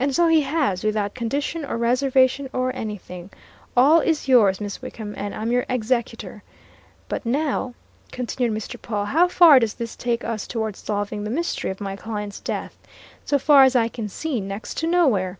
And so he has, without condition, or reservation, or anything all is yours, Miss Wickham, and I'm your executor. But now," continued Mr. Pawle, "how far does this take us toward solving the mystery of my client's death? So far as I can see, next to nowhere!